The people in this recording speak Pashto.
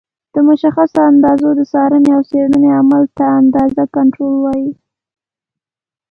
د مشخصو اندازو د څارنې او څېړنې عمل ته د اندازې کنټرول وایي.